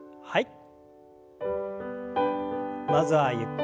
はい。